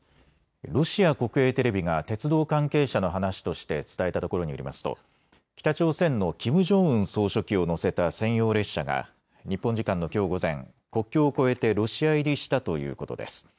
ロシア国営テレビが鉄道関係者の話として伝えたところによりますと北朝鮮のキム・ジョンウン総書記を乗せた専用列車が日本時間のきょう午前、国境を越えてロシア入りしたということです。